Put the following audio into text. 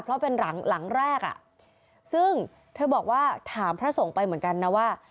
เพราะเป็นหลังหลังแรกอ่ะซึ่งเธอบอกว่าถามพระสงฆ์ไปเหมือนกันนะว่า